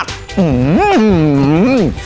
หื้อหื้อหื้อ